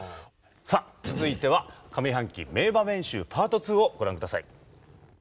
さあ続いては上半期名場面集パート２をご覧ください。